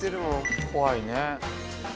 怖いね。